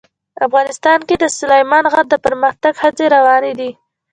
افغانستان کې د سلیمان غر د پرمختګ هڅې روانې دي.